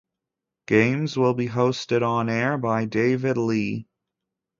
Games will be hosted on air by David Lee.